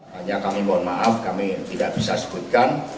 hanya kami mohon maaf kami tidak bisa sebutkan